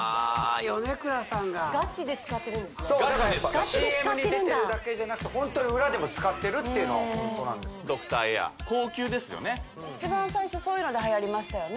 米倉さんがガチで使ってるＣＭに出てるだけでなくてホントに裏でも使ってるっていうのはホントなんですドクターエア高級ですよね一番最初そういうのではやりましたよね